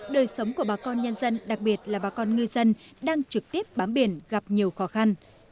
đời sống của bà con nhân dân đặc biệt là bà con ngư dân đang trực tiếp bám biển gặp nhiều khó khăn